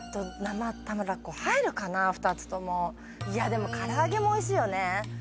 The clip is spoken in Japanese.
でも唐揚げもおいしいよね。